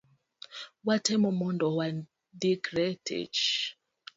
watemo mondo wandikre tich.